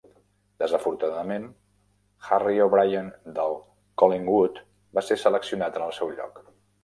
Desafortunadament, Harry O'Brien del Collingwood va ser seleccionat en el seu lloc.